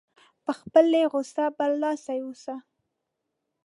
په خپلې غوسې برلاسی اوسي.